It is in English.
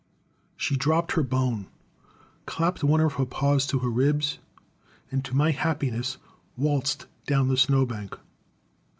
] She dropped her bone, clapped one of her paws to her ribs, and to my happiness waltzed down the snow bank.